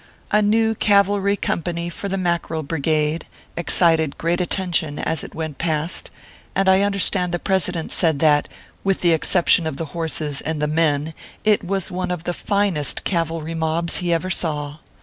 A new cavalry company, for the Mackerel Brigade, excited great attention as it went past, and I understand the President said that, with the exception of the horses and the men, it was one of the finest cavalry mobs he ever saw.